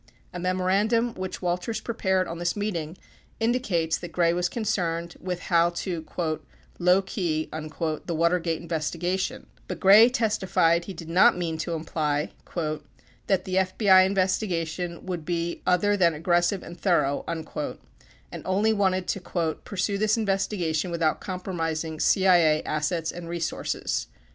31 A memorandum which Walters prepared on this meeting indicates that Gray w r as concerned with how to "low key" the Watergate investigation, 32 but Gray testified he did not mean to imply "that the FBI investigation would be other than aggressive and thorough" and Only wanted to "pursue this investigation without compromising CIA assets and resources."